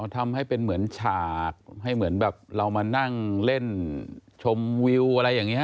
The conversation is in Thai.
ทำให้เป็นเหมือนฉากให้เหมือนแบบเรามานั่งเล่นชมวิวอะไรอย่างนี้